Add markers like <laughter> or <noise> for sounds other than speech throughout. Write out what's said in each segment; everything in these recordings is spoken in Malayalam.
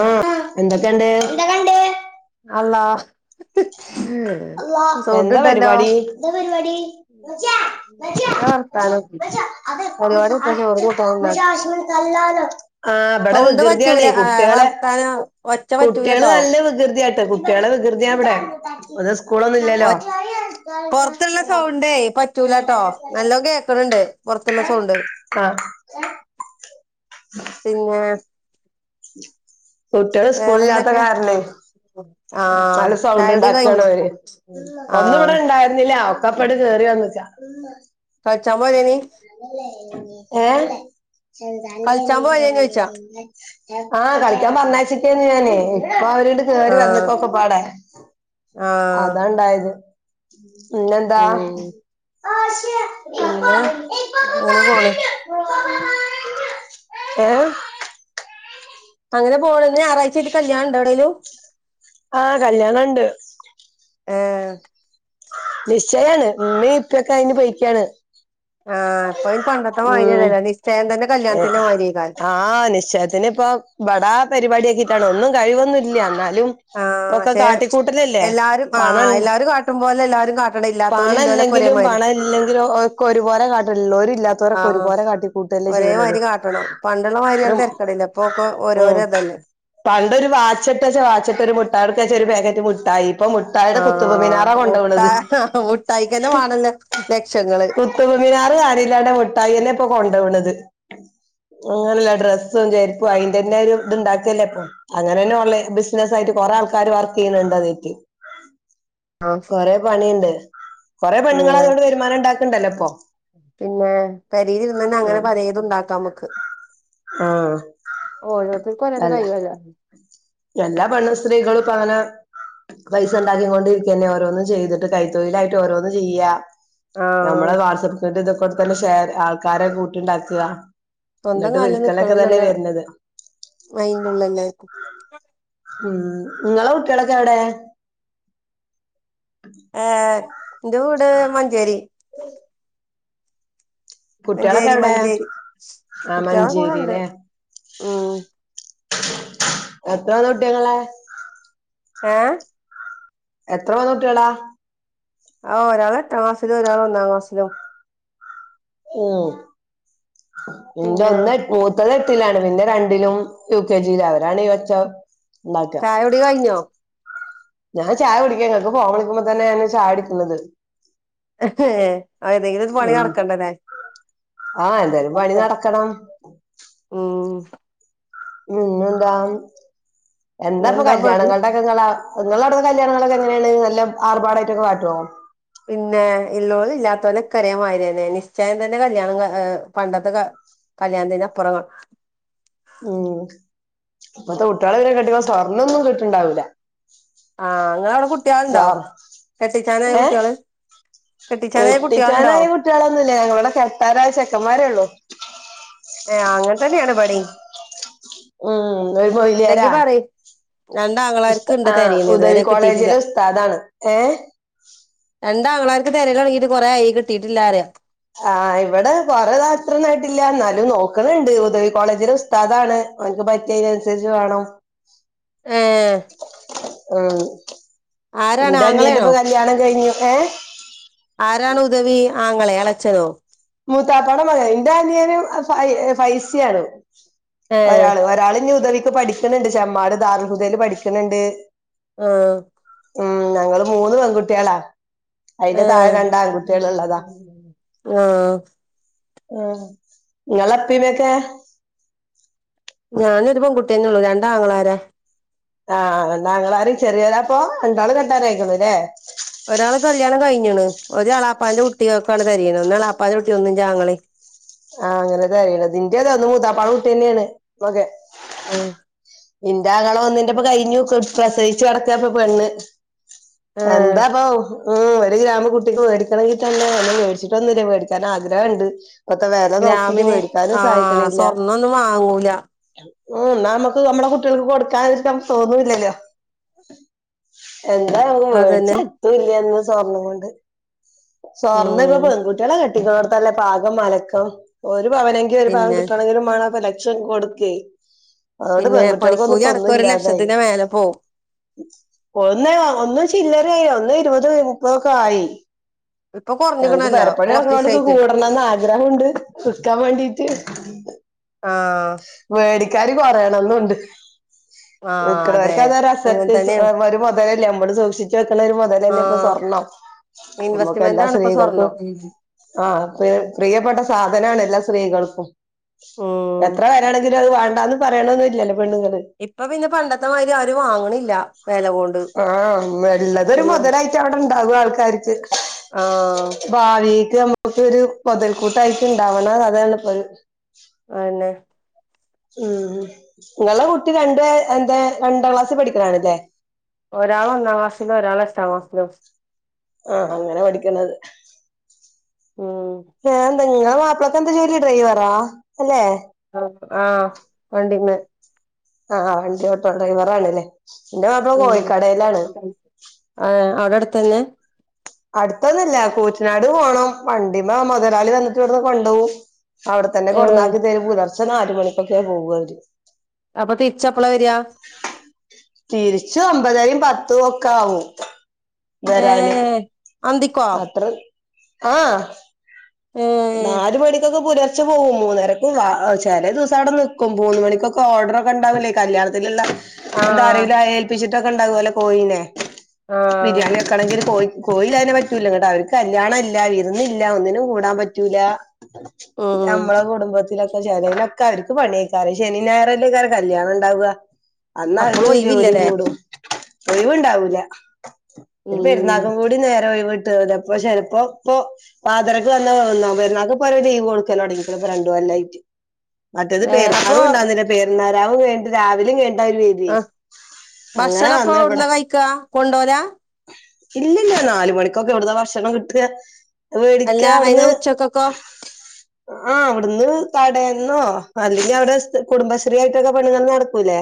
ആ എന്തൊക്കെണ്ട്? അല്ലാ അള്ളാ എന്താ പരിപാടി? <unintelligible> എന്താ വർത്താനം പരിപാടി എത്താ ചോറും കൂട്ടാനും ഉണ്ടാക്ക ആ അവിടെ സൗണ്ട് പറ്റൂല വികൃതിയാണേ ആ കുട്ട്യളെ വർത്താനം ഒച്ച കുട്ട്യള് പറ്റൂലട്ടോ നല്ല വികൃതിയട്ടെ. കുട്ട്യള് വികൃതിയാ ഇവിടെ അത് സ്കൂളൊന്നും ഒ ഇല്ലല്ലോ. പൊറത്തുള്ള സൗണ്ട് പറ്റുലാട്ടോ നല്ലോ കേക്കണണ്ട് പുറത്തുള്ള സൗണ്ട്. ആഹ് പിന്നെ കുട്ട്യള് ഇസ്കൂളില്ലാത്ത വേറെന്തൊക്കെ കാരണെ. ആഹ് നല്ല സൗണ്ട് ചായുടി ഉണ്ടാക്കിയാണ് കഴിഞ്ഞു അവര് ഒന്നും ആഹ് ഇവിടെ ഇണ്ടായിരുന്നില്ല ഒക്ക അപ്പടി കയറി വന്ന്ക്ക ഉമ്മ കളിച്ചാൻ പോയതേനി. എ കളിച്ചാൻ പോരേനോയ്ച്ച <unintelligible> ആഹ് കളിക്കാൻ പറന്നാച്ചക്കെന് ഞാന് ഇപ്പൊ അവര് ങ്ങട് കെറി വന്ന്. ആഹ് പാടൊ ആഹ് അതാണ്ടായത് പിന്നെന്താ. ഉം ആ ശേ പിന്നെ അങ്ങനെ പോണ് ഏ അങ്ങനെ പോണ് ഇന്ന് ഞാറാഴ്ചെറ്റ് കല്യാണംണ്ട എവിടേലും? ആഹ് കല്യാണംണ്ട്. ഏ നിശ്ചയാണ് ഇമ്മീ ഇപ്പൊക്കെ അതിന് പോയിക്കാണ്. ആഹ് അപ്പ ഇനി പണ്ടത്തെ ഉം വതില്ല നിശ്ചയം തന്നെ കല്യാണത്തിന്റെ മാരിക്കാരം. ആഹ് നിശ്ചയത്തിന് ഇപ്പ ബടാ പരിപാടിയക്കിട്ടാണ് ഒന്നും കഴിവൊന്നുല്ല എന്നാലും ആഹ് ഇപ്പൊക്കെ പക്ഷെ കാട്ടിക്കൂട്ടലല്ലേ എല്ലാരും ആ പണം ഇണ്ട എല്ലാരും കാട്ടുമ്പോലെ എല്ലാരും കാ അ ഇല്ലാത്തോലും ഇല്ലോലൊക്ക ഒരേമാരി. ഇല്ലെങ്കിലോ ഒക്ക്‌ ഒരുപോലെ കാട്ടുഇള്ളോരും ഇല്ലാ ത്തോരക്കെ ആഹ് ഒരുപോലെ കാട്ടിക്കൂട്ടല്ലേ ഒരേ ചെയ്യുന്നത് മാതിരി കാട്ടണം പണ്ടുള്ള ഒരു മാതിരിയാണ് തിരക്കടില്ല ഇപ്പൊക്കെ ഉം ഓരോരോ ഇതല്ലേ പണ്ടൊരു വാച്ച്ട്ട വച്ചാ വാച്ച്ട്ട ഒരു മുട്ടായിടോക്കച്ച ഒരു പാക്കറ്റ് മുട്ടായി ഇപ്പൊ മു ട്ടായിടെ കുത്തുമ്പ് മിനാറാ കൊണ്ടോണത്. ആ മുട്ടായിക്കന്നെ വേണല്ലെ ലക്ഷങ്ങള്. കുത് മിനാർ കാണില്ലാടെ മുട്ടായിന്നെ ഇപ്പൊ കൊണ്ടോണത്. അങ്ങനെല്ല ഡ്രസ്സും ചെരിപ്പും അയിന്റെന്നെ ഒരു ഇത്ണ്ടാക്കിയല്ലേ ഇപ്പൊ. അങ്ങനെ തന്നെ ഉള്ള ബിസിനസ് ആയിട്ട് കൊറെ ആൾക്കാര് വർക്ക് ചെയ്യണണ്ട് അതൊറ്റ്. ആഹ് കൊറെ പണിയുണ്ട്. കൊറെ പിന്നെ പെണ്ണുങ്ങള് അതോണ്ട് വരുമാനം ഉണ്ടാക്കണ്ടല്ലോ ഇപ്പൊ. പിന്നെ പെരിൽ ഇരുന്ന് തന്നെ അങ്ങനെ ഉം പലോതുംണ്ടാക്കാം നമുക്ക് ആഹ് ഓരോരുത്തർക്കും ഓരോരോ അല്ല കഴിവല്ലേ എല്ലാ പണ് സ്ത്രീകളും പതനെ പൈസ ഉണ്ടാക്കിയ കൊണ്ടിരിക്കന്നെ ഓരോന്നും ചെയ്തിട്ട് കൈ തൊഴിലായിട്ട്ഓരോന്നും ചെയ്യാ ആഹ് നമ്മളെ വാട്സആപ്പ് ക ഇതക്കൊണ്ട് തന്നെ ഷെയർ ആൾക്കാരെ കൂട്ടിണ്ടാക്ക സ്വന്തം കാലില് നിൽക്കണം എന്നുള്ള മൈള്ള എല്ലായിരിക്കും ഉം ങ്ങളെ കുട്ടികളൊക്കെ എവിടെ ഏഹ് എന്റെ വീട് മഞ്ചേരി കുട്ടികളൊക്കെ മഞ്ചേരി എവിടെ മഞ്ചേരി ആ കുട്ട്യാള് ഒക്കെ ഇടെണ്ട് മഞ്ചേരില്ലേ ഉ എത്രന്ന് കുട്ട്യങ്ങളെ ഏഹ് എത്ര പൊന കുട്ടിയാള ആഹ് ഒരാൾ എടാം ക്ലാസിലും ഒരാൾ ഒന്നാം ക്ലാസ്സിലും ഉം എന്റെ പിന്നെ ഒന്ന മൂത്തത് എട്ടിലാണ് പിന്നെ രണ്ടിലും യു കെ ജിൽ അവരാണ് ഈ ഒച്ച ഉണ്ടാക്കുക ചായകുടി കഴിഞ്ഞോ ഞാൻ ചായ കുടിക്കാ ങ്ങക്ക് ഫോൺ വിളിക്കുമ്പോ തന്നെയാണ് ചായടിക്കുന്നത് ഏതെങ്കില ഒരു പണി നടക്കണ്ടന്നേ ആഹ് എന്തേലും പണി നടക്കണം ഉം ഉം പിന്നെന്താ എന്താ ഇപ്പൊ ഇന്നെന്താ കല്യാണങ്ങളുടെ ങ്ങള നിങ്ങള അടു കല്യാണങ്ങളൊക്കെ എങ്ങനെയാണ് നല്ല ആർപാടായിട്ടൊക്കെ കാട്ടുവോ പിന്നെ ഇള്ളവനും ഇല്ലാത്തവനെ കരേമാതിരി തന്നെ നിശ്ചയം തന്നെ കല്യാണം പണ്ടത്തെ കല്യാണത്തിന്റെ പറങ്ങൾ ഉം ഇപ്പത്തെ കുട്ടികളെവരെ കെട്ടിക്ക്പ സ്വർണ്ണൊന്നും ക കേട്ടുണ്ടാവില്ല ആഹ് ഇങളവിടെ കുട്ടികൾണ്ടാവ സ്വർ കെട്ടിച്ചാനായ ഏഹ് കുട്ടികള് കെട്ടിച്ചാനയാ കുട്ടിയൾ ഉണ്ടാ കുട്ട്യാളൊന്നില്ലേ ഞങ്ങളുടെ കെട്ടാനായ ചെക്കന്മാരേ ഉള്ളു ഏഹ് അങ്ങനെ തന്നെയാണ് ഇബടിം ഉം ഒരു മൊയ്ലിയാര ഉണ്ടെങ്കി പറയ് രണ്ടാങ്ങളാർക്ക് ഉസ്ത ഉണ്ട് ആഹ് തിരയണ് ഉദവി ഇതുവരെ കിട്ടിയിട്ടില്ല കോളേജിലെ ഉസ്താദാണ് ഏഹ് രണ്ടാങ്ങളാർക്ക് തിരയൽ തുടങ്ങീട്ട് കൊറെയായി കിട്ടിയിട്ടില്ലാരെയ ആഹ് ഇവിടെ കൊറെേതാത്രൊന്നായിട്ടില്ല എന്നാലും നോക്കണണ്ട് ഉദവി കോളേജില ഉസ്താദ് ആണ് നമക്ക് പറ്റിയതിനനുസരിച്ച് വേണം <inaudible> ഏഹ് ഉം ആരാണ് എന്റെ അനിയന്റെപ്പൊ ആങ്ങളെയാണോ കല്യാണം കഴിഞ്ഞു ഏഹ് ആരാണ് ഉദവി ആങ്ങളെ അളച്ചനോ മൂത്താപ്പട മകൻ എൻന്റെ അനിയും ഫ ഫൈസി ആണ് ഏ ഒരാള് ഒരാള് ന്യ ഉതവിക്ക് പഠിക്കണണ്ട് ചെമ്മാട് ദാർഹുദയില് പഠിക്കണണ്ട് ആഹ് ഉം ഞങ്ങള് മൂന്ന് പെൺകുട്ടിയാളാ ഏഹ് ഉള്ളതാ ആഹ് ആഹ് ങ്ങലപ്പീമേക്കെ ഞാനൊരു പെൺ കുട്ടിയന്നെ ഉള്ളൂ രണ്ടാങ്ങളാരെ ആഹ് രണ്ടാങ്ങളാരും ചെറിയോ ലാപൊ രണ്ടാളും കെട്ടാനായിക്ക്ന്ന്ല്ലേ ഒരാളെ കല്യാണം കയ്ഞ്ഞ്ണ്. ഒരെ ളാപ്പാന്റെ കുട്ടിയക്കാണ് തെരയ്ണ. ഒന്ന് എളാപ്പാന്റെ കുട്ടിയും ഒന്ന് ന്റാങ്ങളെം. ആഹ് അങ്ങനെ തെരയ്ണത്. ന്റതത് മൂത്താപാടെ കുട്ട്യന്നാണ് <unintelligible> ആഹ് ഇന്റാങ്ങള ഒന്നിന്റെപ്പൊ കയിഞ്ഞു കു പ്രസയിച്ചു കെടക്കാപ്പ പെണ്ണ് ഏ എന്താ പോ ഹു ഊം ഒരു ഗ്രാമ് കുട്ടിക്ക് മേടിക്കണങ്കി തന്നെ ഒന്നും മേടിച്ചിട്ടൊന്നുല്ല മേടിക്കാനാഗ്രഹണ്ട്. പ്പത്തെ വെല നോക്കിട്ട് ഗ്രാമിന് വേടിക്കാനും ആ സായിക്കണില്ല സ്വർണ്ണൊന്നും വാങ്ങൂല ഉം ന്നാ മ്മക്ക് നമ്മളെ കുട്ടികൾക്ക് കൊടുക്കാതിരിക്കാൻ തോന്നുല്ലല്ലോ എന്താ വേടിച്ച അതന്നെ എത്തുല്ല്യന്ന് സ്വർണം കൊണ്ട് സ്വർണ്ണ പ്പ ഉം പെൺകുട്ടികളെ കെട്ടിക്കുന്നടത്തല്ലേ പാകം മലക്കം ഒരു പവനെ ഇ ഒരു പവൻ പിന്നെ കിട്ടണങ്കിലും മാണപ്പം ലക്ഷം കൊടുക്കെ അതുകൊണ്ട് പിന്നെ പെൺകുട്ടികൾക്കൊന്നും പണിക്കൂലി പ്പ അടക്കം ഒരു ന്നുല്ലാതായി ലക്ഷത്തിന്റെ മേലെ പോവും ഒന്ന് ഒന്നും ചില്ലറായി ഒന്ന് ഇരുപത് മുപ്പതൊക്കെ ആയി ഇപ്പൊ ഞങ്ങക്ക് കുറഞ്ഞിക്കണല്ലോ ഇപ്പൊ പെരപ്പണി നടക്കണോണ്ട് ത് കൊറച്ചീസായിട്ട് കൂടണംന്ന് ആഗ്രഹംണ്ട് വിക്കാൻ വേണ്ടീട്ട് ആഹ് വേടിക്കാര് കൊറയണോന്നുണ്ട് ആഹ് അതെ വിക്കുന്നവർക്ക് അതൊര <unintelligible> അങ്ങനെ തന്നെയാണ് <unintelligible> നമ്മള് സൂക്ഷിച്ചു വെക്കണ ഒരു മൊതലല്ലേ പ്പൊ ആഹ് സ്വർണ്ണം. നമ്മക്കെല്ലാ ഇൻവെസ്റ്റ്മെന്റ് ആണ് ഇപ്പൊ സ്ത്രീകൾക്കും സ്വർണം ആഹ്. പ്രി പ്രിയപ്പെട്ട സാധനാണ് എല്ലാ സ്ത്രീകൾക്കും. ഉം എത്ര വരെണിത് ന്‌ട്ടത് വേണ്ടാന്ന് പറയണന്നും ല്ലല്ലോ പെണ്ണുങ്ങള്. ഇപ്പ പിന്നെ പണ്ടത്തെ മാതിരി ആരും വാങ്ങണില്ല വെല കൊണ്ട് എല്ല ക്കവിടെ ണ്ടാകു ആൾക്കാര്ക്ക്. ആഹ്. ഭാവീക്ക് നമ്മക്കൊരു മൊതൽക്കൂട്ടായിട്ട്ണ്ടാവണ അതാണിപ്പത്. അഎന്നെ. ഉം. ഉം. ങ്ങളെ കുട്ടി രണ്ട് എന്തേ രണ്ടാം ക്ലാസ്സി പഠിക്കണാണല്ലേ. ഒരാളൊന്നാം ക്ലാസിലും ഒരാളെട്ടാം ക്ലാസിലും. ആഹ്. അങ്ങനെ പഠിക്കണത്. ഊം. ഏ ന്ത ങ്ങളെ മാപ്പിളക്കന്താ ജോലി ഡ്രൈവറാ? അല്ലെ? അ ആഹ്. വണ്ടിമേ ആഹ് അ വണ്ടി ഓട്ടം ഡ്രൈവറാണല്ലേ. ന്റെ മാപ്പള കോയിക്കടേലാണ്. ആഹ്. അവിടടുത്തന്നെ? അടുത്തൊന്നുല്ല കൂറ്റനാട് പോണം വണ്ടിമേ മൊതലാളി വന്നിട്ടിവിടുന്ന് കൊണ്ടോവും. അവിടെ തന്നെ ഏഹ് കൊടന്നാക്കി തരും. പുലർച്ചെ നാല് മണിക്കൊക്കെ പോവ അവര്. അപ്പ തിരിച്ചെപ്പളാ വരാ? തിരിച്ച് ഒമ്പതരയും പത്തും ഒക്കാവും വരാന്. ഏഹ് അന്തിക്കോ അത്ര ആഹ്. ഏഹ് നാല് മണിക്കൊക്കെ പുല ച്ച പോകും മൂന്നരക്കും വ ചെലെ ദിവസം അവിടെ നിക്കും മൂന്നു മണിക്കൊക്കെ ഓർഡറൊക്കെ ണ്ടാവില്ലേ കല്യാണത്തില്ള്ള എന്താ ആഹ് ആരേലു ഏൽപ്പിച്ചിട്ടൊക്കെണ്ടവല്ലോ കോഴിനെ. ആഹ് ബിരിയാണി യൊ ക്കണെങ്കില് കോഴി കോഴി ല്ലാതെ പറ്റൂല ന്നട്ട് അവര്ക്ക് കല്യാണല്ല, വിരുന്നില്ല ഒന്നിനും കൂടാൻ പ റ്റുല. ഉം ഞമ്മളെ കുടുംബ <unintelligible> ലൊക്കെ അവർക്ക് പണിയേക്കാരം ശനി ഞായറല്ലേ കർ കല്യാണം ണ്ടാവ ഉണ്ടാവുക. അപ്പളും അന്നവര്ക്ക് ജോലിം ഒഴിവില്ലല്ലേ കൂടും. ഒഴിവുണ്ടാവൂലഒരു ഉം പെരുന്നാക്കും കൂടി നേരെ ഒഴിവിട്ടുല. അപ്പോ ചിലപ്പോ ഇപ്പോ പാതരക്ക് വന്ന ഒന്നാം പെരുന്നാക്ക് പ്പ അവര്ലീവ് കൊടുക്കലോടങ്ങികണ് ഇപ്പോ രണ്ട് കൊല്ലായിട്ട് മറ്റത് ഏഹ് അപ്പൊ പെരുന്നാളും ഉണ്ടായിരുന്നില്ല. പെരുന്നാൾ രാവും കഴിഞ്ഞിട്ട് രാവിലെയും കഴിഞ്ഞിട്ട് രാവിലെ കഴിഞ്ഞിട്ട് കഴിഞ്ഞിട്ടാ അവര് വരുന്നേ. ആഹ് ഭക്ഷണം അപ്പോ എവിടുന്നാ കഴിക്കാ കൊണ്ടോവലാ. ഇല്ലല്ല നാല് മണിക്കൊക്കെ എവിടന്നാ ഭക്ഷണം കിട്ട വേടിക്ക അവിടുന്ന്. ഉച്ചക്കക്കോ. ആഹ് അവിടുന്ന് കടേന്നോ അല്ലെങ്കിൽ അവിടെ കുടുംബശ്രീ ആയിട്ടൊക്കെ പെണ്ണുങ്ങൾ നടക്കൂലേ.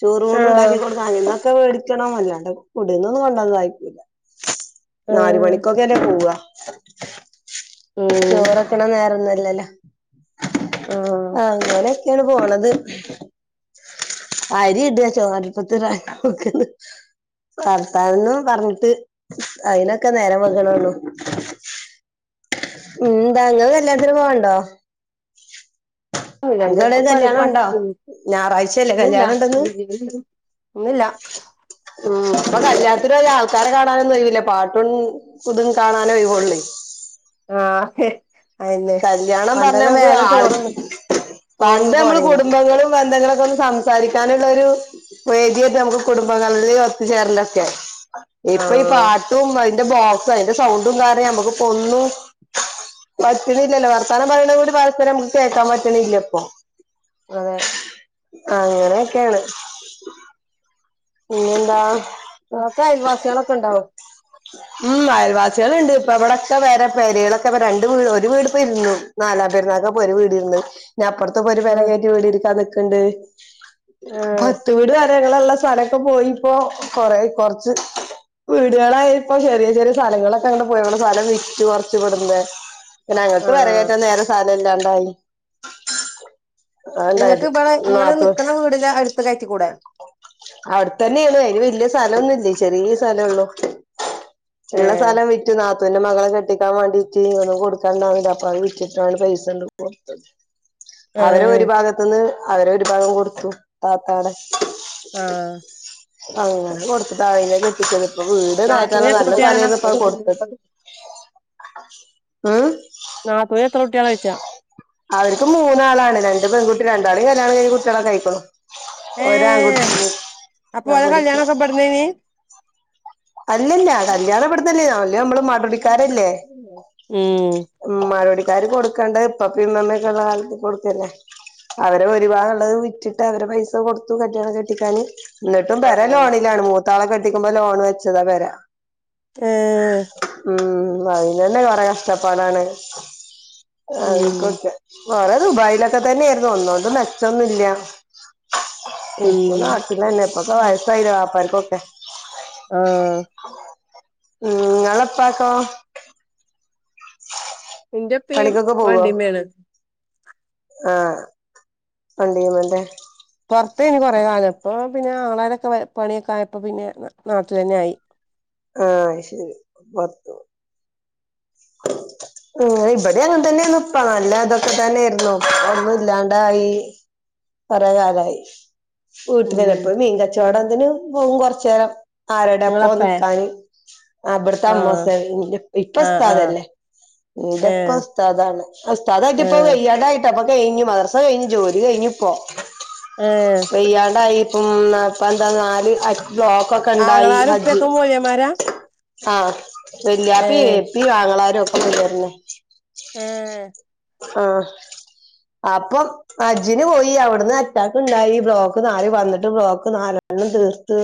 ചോറൂണ് ആഹ് ഉണ്ടാക്കി കൊടുക്കികൊണ്ടന്ന് അയിന്നൊക്കെ മേടിക്കണം, അല്ലാണ്ട് കുടിന്നൊന്നും കൊണ്ടാവാൻ സഹായിക്കൂല. നാല് ആഹ് മണിക്കൊക്കെ അല്ലേ പോവ. ഉം ചോറക്കണ നേരൊന്നും അല്ലല്ലോ ആഹ് അങ്ങനെ ങ്ങനെണ് പോണത്. ആരി ഇട ചോറ അടുപ്പത്തിടാൻ നോക്കന്ന്. ഭർത്താവിനും പറഞ്ഞിട്ട് അതിനൊക്കെ നേരം വെകണോള്ളു. ന്താ ങ്ങള് കല്യാണത്തിന് പോവണ്ടോ? നിങ്ങക്ക് എവിടെ കല്യാണം ഉണ്ടോ ' ഞായറാഴ്ചയല്ലേ കല്യാണം ഉണ്ടെന്ന് <inaudible> ഇന്ന് ഇല്ല. ഉം ഇപ്പോ കല്യാത്തിന് പോയാ ആൾക്കാരെ കാണാനൊന്നും ഒഴിവില്ല, പാട്ടും പുതും കാണാന ഒഴിവോള്ളേ. ആ ഹെ. കല്ല്യാണം പറഞ്ഞാ നമുക്ക് ആള് ചോറ്ന്ന് ചോറ്ന്ന് പണ്ട് നമ്മള് പോരേനി കുടുംബങ്ങളും ബന്ധങ്ങളും ഒക്കെ ഒന്ന് സ സംസാരിക്കാനുള്ള ഒരു വേദിയായിട്ട് നമുക്ക് കുടുംബങ്ങളിൽ ഒത്തുചേരല്ഒക്കെ ആഹ് ഇപ്പയി പാ ട്ടും അതിന്റെ ബോക്സും അതിന്റെ സൗണ്ടും കാരണം നമുക്ക് ഒന്നും പറ്റുന്നില്ലല്ലോ വർത്തം പറയുന്ന ഒരു പരസ്പരം നമ്മക്ക് കേൾക്കാൻ പറ്റണില്ല ഇപ്പൊ? അതെ അങ്ങനെയൊക്കെയാണ്. പിന്നെന്താ? നമ്മക്ക് അയൽവാസികളൊക്കെ ഉണ്ടാവും. ഉം അയൽവാസികളുണ്ട് ഇപ്പ ഇവിടൊക്കെ വര പേരുകളൊക്കെ അപ്പ രണ്ട് വീട് ഒരു വീട് ഇപ്പരിന്നു നാലാം പേരുന്നൊക്കെ ഒരു വീട് ഇരുന്ന് ഇനിഅപ്പുറത്ത ഒരു പെര ആഹ് കയറ്റി വീട് ഇരിക്കാ നിക്കണ്ട് ആഹ് വീട്കരകുള്ള സ്ഥലൊക്കെ പോയിപ്പോ കൊറ കുറച്ച് വീടുകളായി ഇപ്പൊ ചെറിയ ചെറിയ സ്ഥലങ്ങളൊക്കെ അങ്ങനെ പോയി. ഇവിടെ സ്ഥലം വിറ്റ് കുറച്ചു വിടുന്ന. പിന്നെ ഞങ്ങക്ക് പെര ആഹ് കേറ്റാൻ നേരെ സലം ഇല്ലാണ്ടായി. അത്ണ്ടായത് നിങ്ങക്ക് ഇവിടെ നിങ്ങള് നാത്തൂ നിക്കണ വീടിൻ്റെ അടുത്ത കയറ്റി കൂടെ അവിടെത്ത തന്നെണ്. അതിന് വല്യ സ്ഥലം മെന്നും ഇല്ലേ ചെറിയ സ്ഥല ഒള്ളു. ഉള്ള ഏഹ് സഥലം വി ന്റെ നാത്തുന്റെ മകളെ കെട്ടിക്കാൻ വേണ്ടിയിട്ട് ഒന്നും കൊടുക്കാണ്ടാവില്ല. അപ്പോഅത് വിറ്റിട്ടാണ്പൈസ അങ്ങട്ട് കൊടുത്തത്. അവരെ ആഹ് ഓരി ഭാഗത്തു നിന്ന് അവരെ ഓരിഭാഗം കൊടുത്തു താത്താടെ ആഹ് അങ്ങനെ കൊടുത്തിട്ടാ അതിനെ കെട്ടിക്കുന്നത്. ഇപ്പം വീട് നാത്തൂന് കാട്ടാനുള്ള എത്ര നല്ല കുട്ടികളാ സ്ഥലയായിരുന്നു ഇപ്പം അത് കൊടുത്തത് ഉം നാത്തുന് എത്രകുട്ട്യാളാ യ്ച്ചാ അവർക്ക് മൂന്നാളാണ് രണ്ട് പെൺകുട്ടി രണ്ടാളും കല്യാണം കഴിഞ്ഞ് കുട്ട്യാളെക്കെക്കായ്ക്ക്‌ണ് ഏഹ് ഒരാൺകുട്ടിണ്ട് അവൻ പഠിക്ക പ്പന്നേനി അല്ലല്ല കല്യാണം ഇവ്ട്ന്നെന്നേയ്ന് അവല് നമ്മളെ ഉം <unintelligible> <unintelligible> കൊടുക്കണ്ടത് ഉപ്പപ്പയും മ്മമ്മയും ള്ള കാലത്ത് കൊട്ക്കല്ലെ അവരെ ഓരി ഭാഗംള്ളത് വിറ്റിട്ട് അവരെ പൈസ കൊടുത്തു കല്യാണം കെട്ടിക്കാന് ന്ന്ട്ടും പെര ആഹ് ലോണിലാണ് മൂത്താളെകെട്ടിക്കുമ്പോ ലോണ് വെച്ചതാ പെര ഏ ഉം അയ്നെന്നെ കൊറെ കഷ്ടപ്പാടാണ് ഉം അതിപ്പോക്കെ കൊറെ ദുബായിലൊക്കെ തന്നെര്ന്നു ഒന്നോണ്ടും മെച്ചൊന്നുല്ല ഇപ്പൊ ഉം നാട്ടിലെന്നെ ഇപ്പൊക്കെ വയസ്സായില്ലേ വാപ്പാര്ക്കൊക്കെ ആഹ് ഉം ങ്ങളെ പ്പാക്കോ ന്റെപ്പീയും പണിക്കൊക്കെ വണ്ടിമ്മേണ് ആ വണ്ടീങൊണ്ട് പൊർത്തേയ്ന് കൊറേകാലം ഇപ്പൊ പിന്നെ ആങ്ങളരൊക്കെ പണിയൊക്കായപ്പോ പിന്നെ നാട്ടിലെന്നായി ആ അത് ശെരി പൊർത്ത് <inaudible> ഉം ഇവടെ അങ്ങൻത്തെന്നെന്നുപ്പോ നല്ല ഇതൊക്കെ തന്നെര്ന്നു ഇപ്പൊന്നും ല്ലാണ്ടായി കൊറേ കാലായി വീട്ടില് നിന്ന് ഉം ഇപ്പോ മീൻകച്ചോടത്തിന് പോവും കൊർച്ചേരം ആരുടെപ്പോ ഇങ്ങളെപ്പേ നിക്കാന് അ ഇവ്ട്ത്തെ ആഹ് അമ്മോസന് ന്റെ പ്പി പ്പ ആഹ് ആഹ് ഉസ്താദല്ലേ ന്റുപ്പ ഏഹ് ഉസ്താദാണ് ഉസ്താദായിട്ടിപ്പം ഏഹ് വെയ്യാ ട്ടപ്പ കെയ്ഞ്ഞു മദ്രസ കയ്ഞ്ഞു ജോലി കയ്ഞ്ഞുപ്പോ ഏഹ് വെയ്യാണ്ടായി ഇം ഇപ്പ എന്താ നാല് അറ്റ് ബ്ലോക്കൊക്കെണ്ടായി ആങ്ങളാരും ഹജ്ജ് ഉപ്പയൊക്കെ മൊല്യമാരാ ആ വെല്യാപ്പി ഏഹ് പ്പീ ആങ്ങളാരൊക്കെണ്ടെര്ന്നു ഏഹ് ആ അപ്പം അജ്ജ്‌ന് പോയി അവ്ട് ന്ന് അറ്റാക്ക്ണ്ടായി ബ്ലോക്ക് നാല് വന്ന്ട്ട് ബ്ലോക്ക് നാലെണ്ണം തീർത്ത്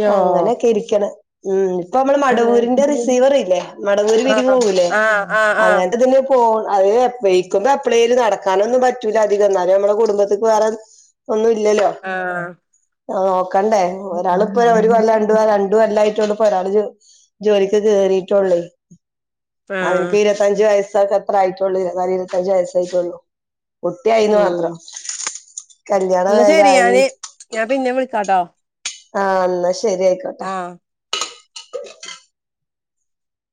യോ അങ്ങനെക്കെ രിക്ക്ണ് ഉം ഇപ്പ മ്മ ള് മടവൂരിന്റെ ആഹ് റിസീവറ്ല്ലേ മടവൂര് പിരിവ് പോവൂലേ ആഹ് ആഹ് ആഹ് ആഹ് അങ്ങൻത്തതിന് പോവും <unintelligible> വെയ്ക്കുമ്പോ എപ്പ്ളേലും നടക്കാനൊന്നും പറ്റൂല അധികം ന്നാലും ഞമ്മളെ കുടുംബത്ത്ക്ക് വേറെ ഒന്നുല്ലല്ലോ ആഹ് ആ നോക്കണ്ടേ ഒരാള്പ്പോ ഒരു കൊല്ലം രണ്ട് രണ്ട് കൊല്ലായിട്ടൊള്ളു പ്പൊ ഒരാള് ജോലി ജോലിക്ക് കേറീട്ടൊള്ളെ അവൻക്ക് ഇരുവത്തഞ്ജ് വയസ്സൊക്കെ അത്ര ആയിട്ടൊള്ളൂ ഇരുവത്തിനാല് ഇരുവത്തഞ്ജ് വയസായ്റ്റൊള്ളൂ കുട്ട്യായീന്ന് മാത്രം കല്യാണം ന്നാ ശെരി വേഗായി ഞാന് ഞാൻ പിന്നെ വിളിക്കാട്ടോ ആഹ് ന്നാ ശെരി ഐക്കോട്ടെ ആഹ്